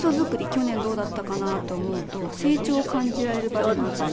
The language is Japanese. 去年どうだったかなって思うと成長を感じられる場でもあったりして。